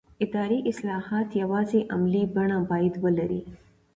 اداري اصلاحات یوازې عملي بڼه باید ولري